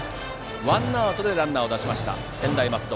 ワンアウトでランナーを出した専大松戸。